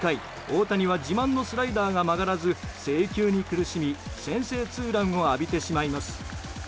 大谷は自慢のスライダーが曲がらず制球に苦しみ、先制ツーランを浴びてしまいます。